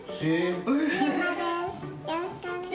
よろしくお願いします。